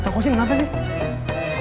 kang khozim kenapa sih